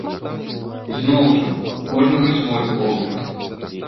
Зноў жа, у кожнага свой погляд.